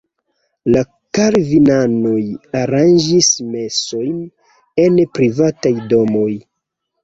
La kalvinanoj aranĝis mesojn en privataj domoj.